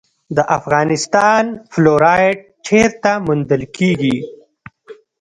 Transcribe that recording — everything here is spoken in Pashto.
د افغانستان فلورایټ چیرته موندل کیږي؟